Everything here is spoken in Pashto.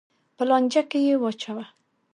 په لانجه کې یې واچوه.